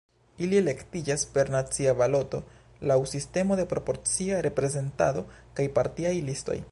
Ili elektiĝas per nacia baloto laŭ sistemo de proporcia reprezentado kaj partiaj listoj.